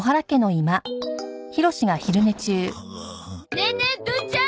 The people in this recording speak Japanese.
ねえねえ父ちゃん！